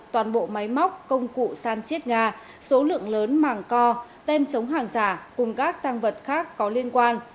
toàn bộ máy móc công cụ san chiết ga số lượng lớn màng co tem chống hàng giả cùng các tăng vật khác có liên quan